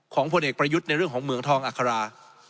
พลเอกประยุทธ์ในเรื่องของเหมืองทองอัครา